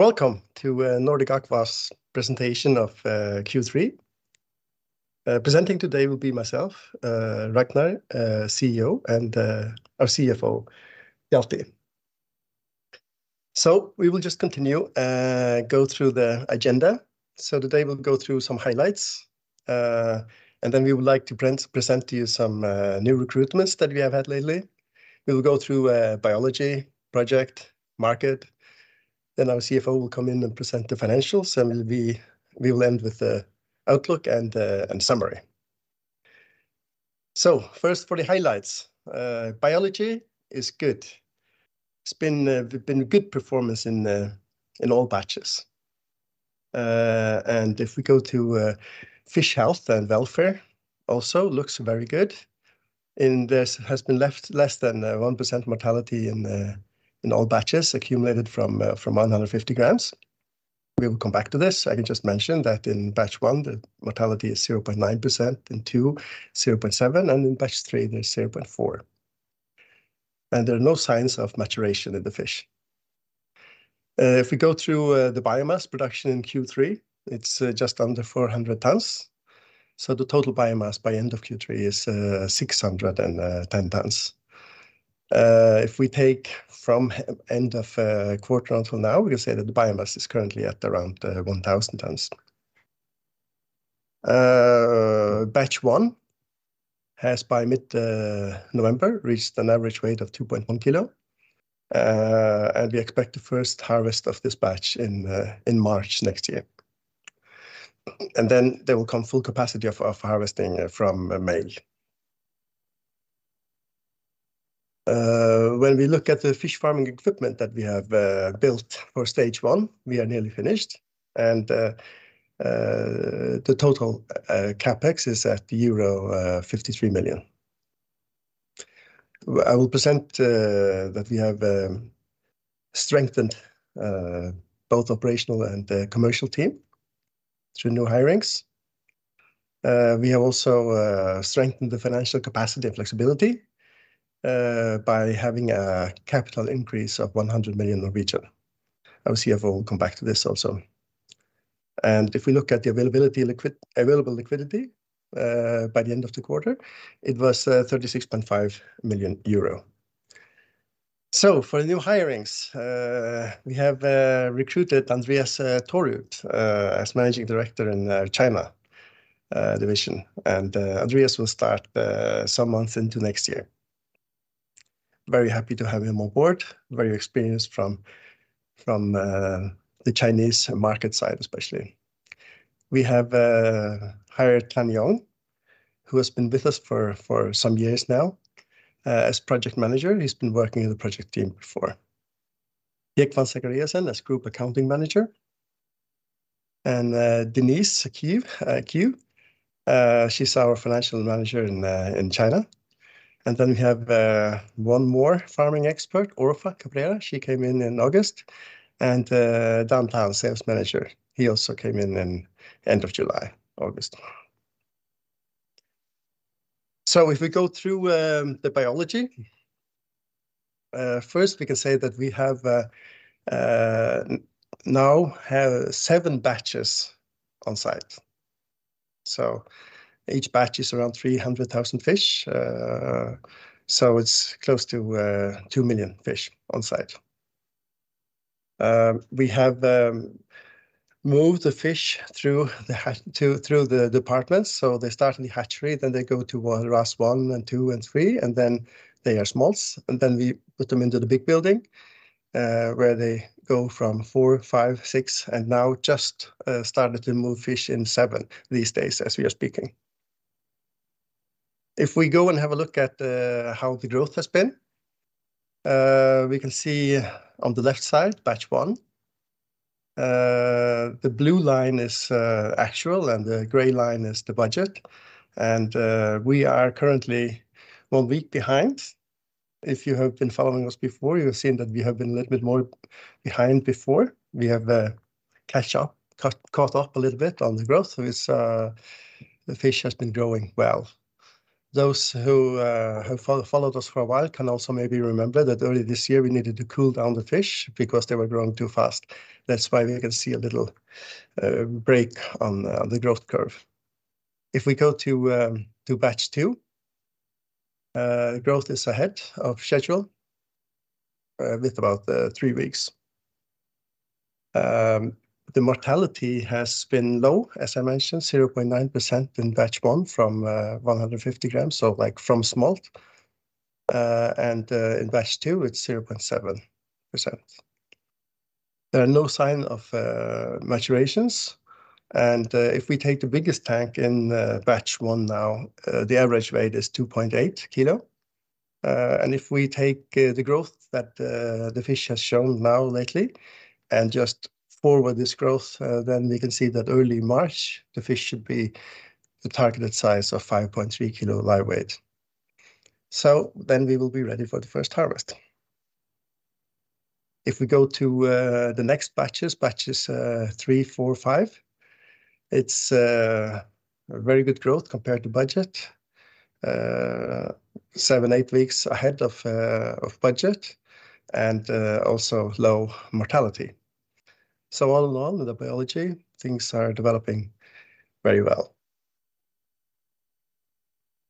Welcome to Nordic Aqua's presentation of Q3. Presenting today will be myself, Ragnar, CEO, and our CFO, Hjalti. So we will just continue, go through the agenda. So today we'll go through some highlights. And then we would like to present to you some new recruitments that we have had lately. We will go through biology, project, market, then our CFO will come in and present the financials, and we will end with the outlook and summary. So first for the highlights. Biology is good. It's been good performance in all batches. And if we go to fish health and welfare, also looks very good. And there has been left less than 1% mortality in all batches accumulated from 150 grams. We will come back to this. I can just mention that in batch one, the mortality is 0.9%, in two, 0.7%, and in batch three, there's 0.4%. And there are no signs of maturation in the fish. If we go through the biomass production in Q3, it's just under 400 tons. So the total biomass by end of Q3 is 610 tons. If we take from end of quarter until now, we can say that the biomass is currently at around 1,000 tons. Batch one has, by mid-November, reached an average weight of 2.1 kilo. And we expect the first harvest of this batch in March next year. And then there will come full capacity of harvesting from May. When we look at the fish farming equipment that we have built for Stage 1, we are nearly finished, and the total CapEx is at euro 53 million. I will present that we have strengthened both operational and the commercial team through new hirings. We have also strengthened the financial capacity and flexibility by having a capital increase of 100 million. Our CFO will come back to this also. And if we look at the available liquidity by the end of the quarter, it was 36.5 million euro. So for the new hirings, we have recruited Andreas Thorud as Managing Director in China division. And Andreas will start some months into next year. Very happy to have him on board. Very experienced from the Chinese market side, especially. We have hired Tan Yong, who has been with us for some years now, as project manager. He's been working in the project team before. Jógvan Zachariasen as group accounting manager, and Denise Qiu, she's our financial manager in China. And then we have one more farming expert, Orfa Cabrera. She came in in August, and Dan Tan, sales manager, he also came in in end of July, August. So if we go through the biology first, we can say that we have now seven batches on site. So each batch is around 300,000 fish, so it's close to 2,000,000 fish on site. We have moved the fish through the departments, so they start in the hatchery, then they go to RAS one and two and three, and then they are smolts, and then we put them into the big building, where they go from four, five, six, and now just started to move fish in seven these days, as we are speaking. If we go and have a look at how the growth has been, we can see on the left side, batch one. The blue line is actual, and the gray line is the budget, and we are currently one week behind. If you have been following us before, you have seen that we have been a little bit more behind before. We have caught up a little bit on the growth. So it's the fish has been growing well. Those who have followed us for a while can also maybe remember that early this year, we needed to cool down the fish because they were growing too fast. That's why we can see a little break on the growth curve. If we go to batch two, growth is ahead of schedule with about three weeks. The mortality has been low, as I mentioned, 0.9% in batch one from 150 grams, so like from smolt. And in batch two, it's 0.7%. There are no sign of maturations. And if we take the biggest tank in batch one now, the average weight is 2.8 kilo. And if we take the growth that the fish has shown now lately and just forward this growth, then we can see that early March, the fish should be the targeted size of 5.3 kilo live weight. So then we will be ready for the first harvest. If we go to the next batches, three, four, five... It's very good growth compared to budget. Seven, eight weeks ahead of budget, and also low mortality. So all in all, the biology things are developing very well.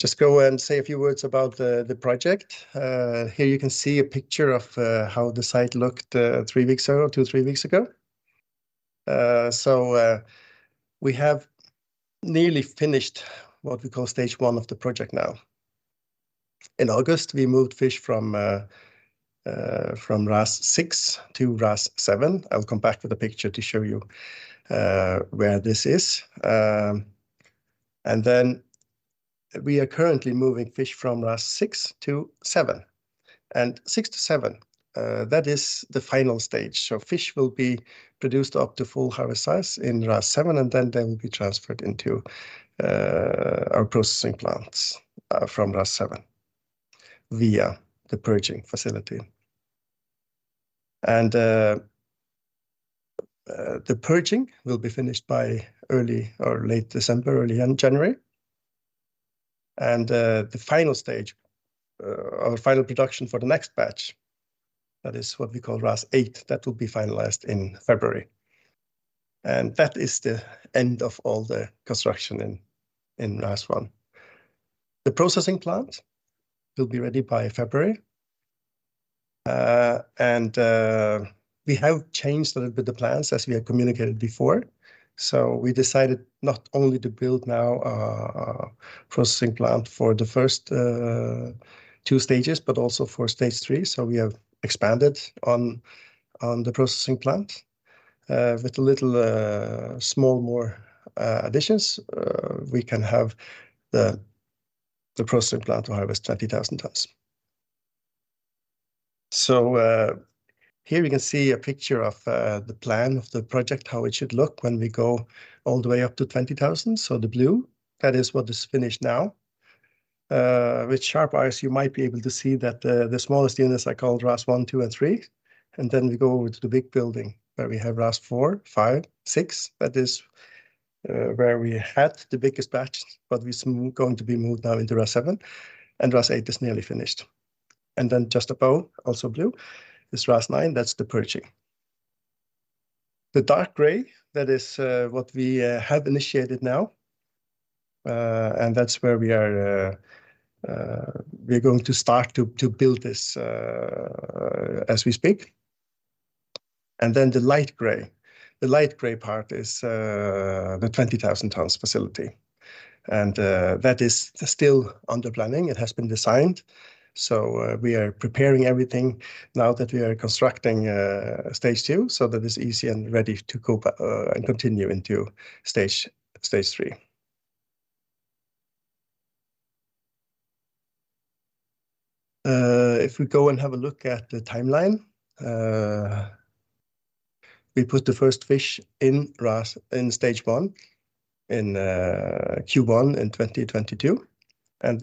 Just go and say a few words about the project. Here you can see a picture of how the site looked three weeks ago, two, three weeks ago. So we have nearly finished what we call Stage 1 of the project now. In August, we moved fish from RAS 6 to RAS 7. I'll come back with a picture to show you where this is. And then we are currently moving fish from RAS 6 to 7, and 6 to 7, that is the final stage. So fish will be produced up to full harvest size in RAS 7, and then they will be transferred into our processing plants from RAS 7, via the purging facility. And the purging will be finished by early or late December, early in January. And the final stage, our final production for the next batch, that is what we call RAS 8, that will be finalized in February. And that is the end of all the construction in RAS 1. The processing plant will be ready by February. And, we have changed a little bit the plans as we have communicated before. So we decided not only to build now, a processing plant for the first, two stages, but also for Stage 3. So we have expanded on, on the processing plant. With little, small, more, additions, we can have the, the processing plant to harvest 20,000 tons. So, here you can see a picture of, the plan of the project, how it should look when we go all the way up to 20,000. So the blue, that is what is finished now. With sharp eyes, you might be able to see that, the smallest units are called RAS 1, 2, and 3, and then we go over to the big building, where we have RAS 4, 5, 6. That is where we had the biggest batch, but it's going to be moved now into RAS 7, and RAS 8 is nearly finished. And then just above, also blue, is RAS 9, that's the purging. The dark gray, that is what we have initiated now, and that's where we are, we are going to start to build this as we speak. And then the light gray. The light gray part is the 20,000 tons facility, and that is still under planning. It has been designed, so we are preparing everything now that we are constructing Stage 2, so that is easy and ready to go back and continue into Stage 3. If we go and have a look at the timeline, we put the first fish in RAS in Stage 1, in Q1 in 2022, and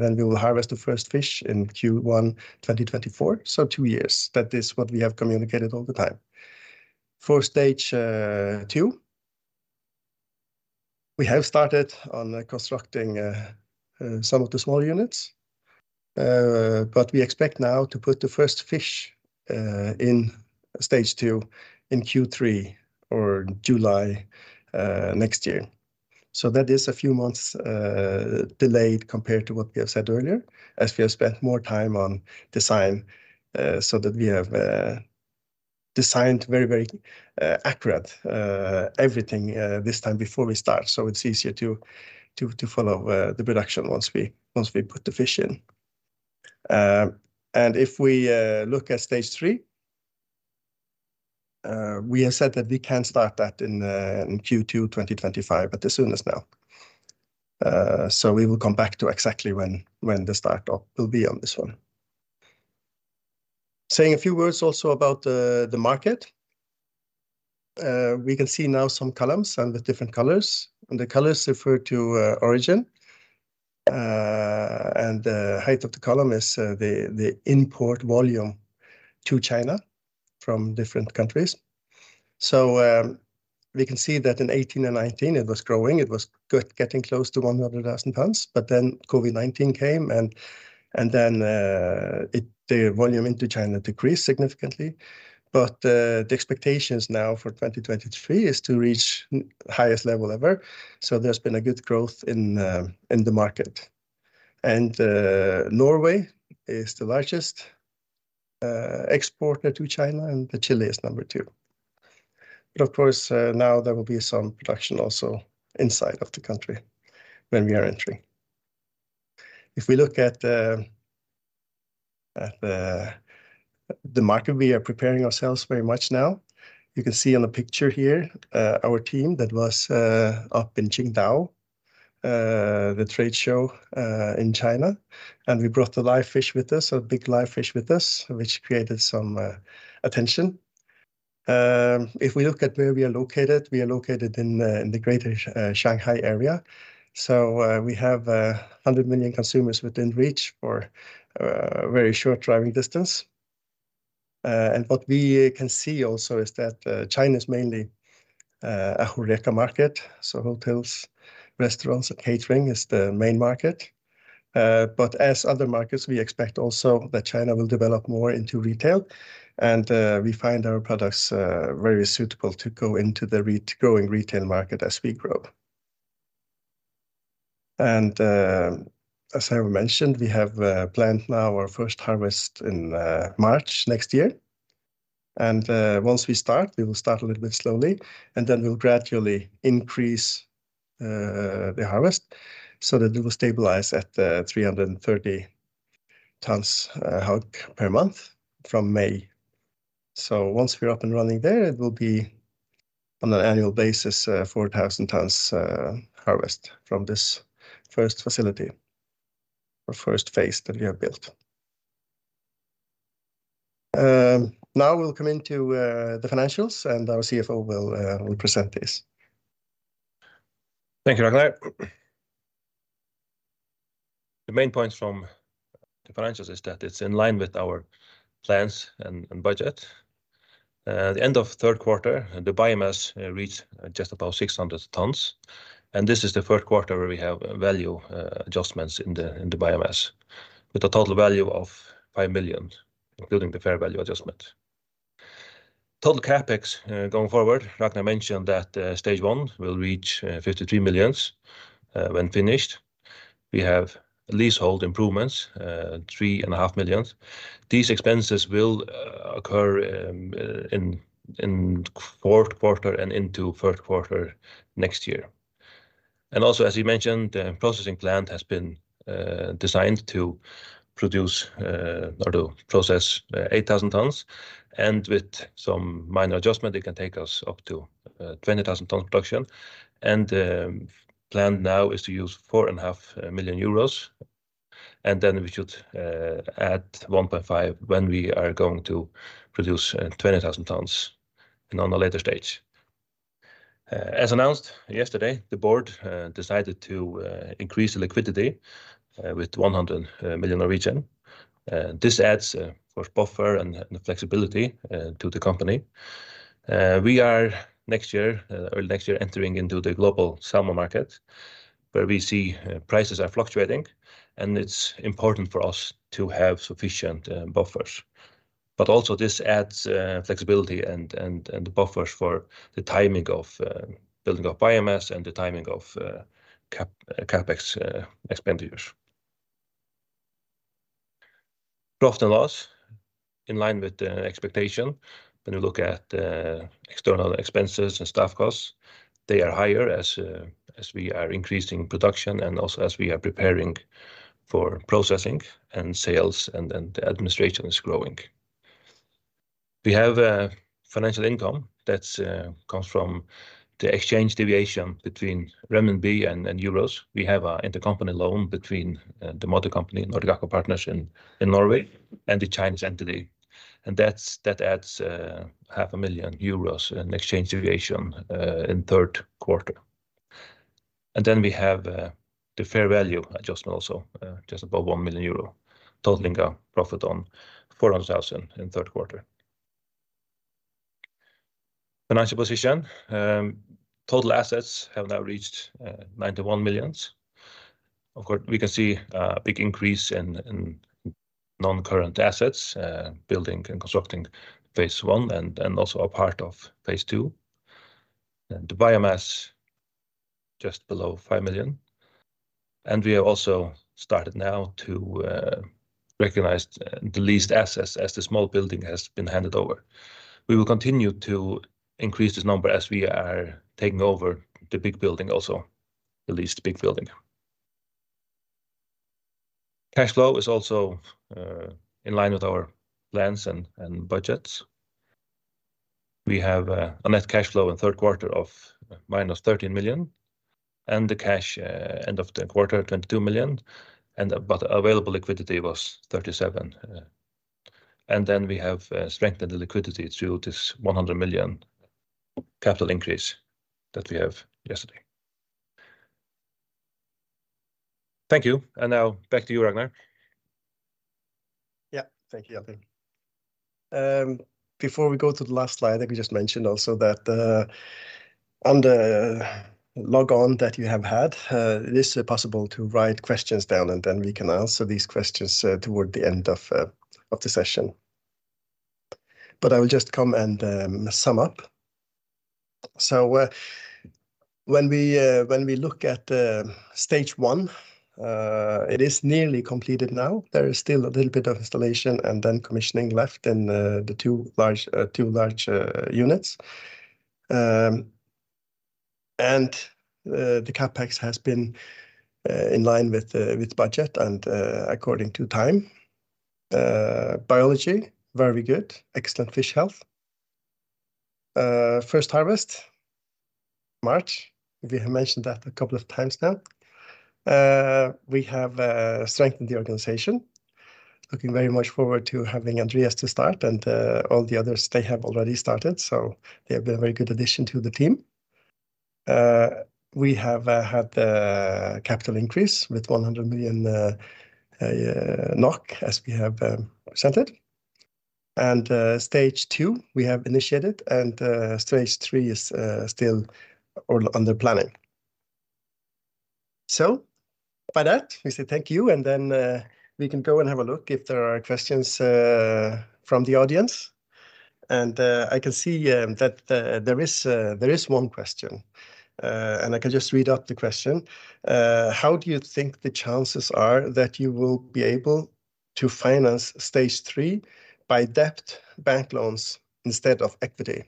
then we will harvest the first fish in Q1 2024, so two years. That is what we have communicated all the time. For Stage 2, we have started on constructing some of the small units, but we expect now to put the first fish in Stage 2 in Q3 or July next year. So that is a few months delayed compared to what we have said earlier, as we have spent more time on design, so that we have designed very, very accurate everything this time before we start. So it's easier to follow the production once we put the fish in. If we look at Stage 3, we have said that we can start that in Q2 2025, at the soonest now. So we will come back to exactly when the start-up will be on this one. Saying a few words also about the market. We can see now some columns with different colors, and the colors refer to origin, and the height of the column is the import volume to China from different countries. So we can see that in 2018 and 2019, it was growing. It was good, getting close to 100,000 tons, but then COVID-19 came, and then the volume into China decreased significantly. The expectations now for 2023 is to reach the highest level ever, so there's been a good growth in the market. Norway is the largest exporter to China, and Chile is number two. Of course, now there will be some production also inside of the country when we are entering. If we look at the market, we are preparing ourselves very much now. You can see on the picture here, our team that was up in Qingdao, the trade show, in China, and we brought a live fish with us, a big live fish with us, which created some attention. If we look at where we are located, we are located in the greater Shanghai area. We have 100 million consumers within reach or very short driving distance, and what we can see also is that China is mainly a HORECA market, so hotels, restaurants, and catering is the main market. But as other markets, we expect also that China will develop more into retail, and we find our products very suitable to go into the regrowing retail market as we grow. As I mentioned, we have planned now our first harvest in March next year, and once we start, we will start a little bit slowly, and then we'll gradually increase the harvest, so that it will stabilize at 330 tons per month from May. Once we're up and running there, it will be on an annual basis, 4,000 tons harvest from this first facility, or first phase that we have built. Now we'll come into the financials, and our CFO will present this. Thank you, Ragnar. The main points from the financials is that it's in line with our plans and budget. The end of third quarter, the biomass reached just about 600 tons, and this is the third quarter where we have value adjustments in the biomass, with a total value of 5 million, including the fair value adjustment. Total CapEx going forward, Ragnar mentioned that Stage 1 will reach 53 million when finished. We have leasehold improvements 3.5 million. These expenses will occur in fourth quarter and into first quarter next year. And also, as he mentioned, the processing plant has been designed to produce or to process 8,000 tons, and with some minor adjustment, it can take us up to 20,000-ton production. Plan now is to use 4.5 million euros, and then we should add 1.5 million when we are going to produce 20,000 tons in on a later stage. As announced yesterday, the board decided to increase the liquidity with 100 million. This adds for buffer and flexibility to the company. We are next year, early next year, entering into the global salmon market, where we see prices are fluctuating, and it's important for us to have sufficient buffers. But also this adds flexibility and buffers for the timing of building of biomass and the timing of CapEx expenditures. Profit and loss in line with the expectation. When you look at external expenses and staff costs, they are higher as we are increasing production and also as we are preparing for processing and sales and the administration is growing. We have a financial income that comes from the exchange deviation between renminbi and euros. We have a intercompany loan between the mother company, Nordicus Partners in Norway and the Chinese entity, and that adds 500,000 euros in exchange deviation in third quarter. And then we have the fair value adjustment also just above 1 million euro, totaling a profit on 400,000 in third quarter. Financial position. Total assets have now reached 91 million. Of course, we can see a big increase in non-current assets, building and constructing phase I and also a part of phase II. And the biomass, just below 5 million. And we have also started now to recognize the leased assets as the small building has been handed over. We will continue to increase this number as we are taking over the big building also, the leased big building. Cash flow is also in line with our plans and budgets. We have a net cash flow in third quarter of -13 million, and the cash end of the quarter, 22 million, but available liquidity was 37 million. And then we have strengthened the liquidity through this 100 million capital increase that we have yesterday. Thank you, and now back to you, Ragnar. Yeah, thank you, Hjalti. Before we go to the last slide, I think we just mentioned also that, on the login that you have had, it is possible to write questions down, and then we can answer these questions, toward the end of the session. But I will just come and sum up. So, when we look at Stage 1, it is nearly completed now. There is still a little bit of installation and then commissioning left in the two large units. And the CapEx has been in line with budget and according to time. Biology, very good, excellent fish health. First harvest, March, we have mentioned that a couple of times now. We have strengthened the organization, looking very much forward to having Andreas to start and all the others, they have already started, so they have been a very good addition to the team. We have had the capital increase with 100 million NOK, as we have presented. Stage 2, we have initiated, and Stage 3 is still under planning. So by that, we say thank you, and then we can go and have a look if there are questions from the audience. I can see that there is one question. I can just read out the question. How do you think the chances are that you will be able to finance Stage 3 by debt bank loans instead of equity?"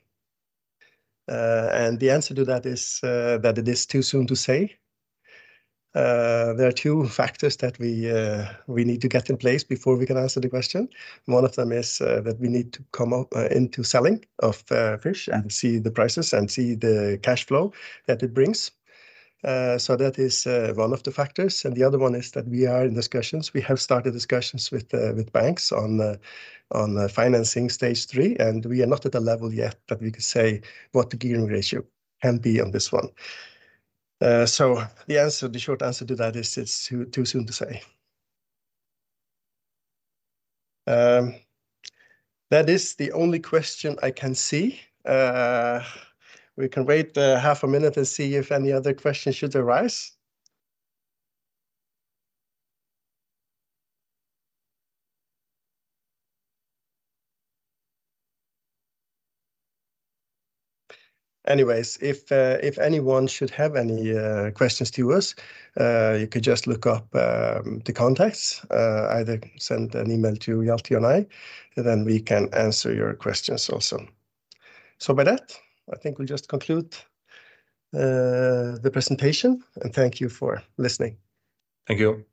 And the answer to that is that it is too soon to say. There are two factors that we need to get in place before we can answer the question. One of them is that we need to come up into selling of fish and see the prices and see the cash flow that it brings. So that is one of the factors, and the other one is that we are in discussions. We have started discussions with banks on the financing Stage 3, and we are not at a level yet that we can say what the gearing ratio can be on this one. So the answer, the short answer to that is it's too, too soon to say. That is the only question I can see. We can wait half a minute and see if any other questions should arise. Anyways, if anyone should have any questions to us, you can just look up the contacts. Either send an email to Hjalti or I, then we can answer your questions also. So by that, I think we just conclude the presentation, and thank you for listening. Thank you.